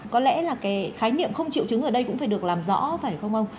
có lẽ là cái khái niệm không triệu chứng ở đây cũng phải được làm rõ phải không ông